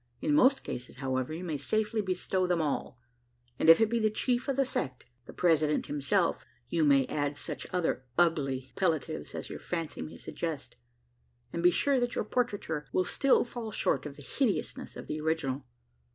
In most cases, however, you may safely bestow them all; and if it be the chief of the sect the President himself you may add such other ugly appellatives as your fancy may suggest; and be sure that your portraiture will still fall short of the hideousness of the original.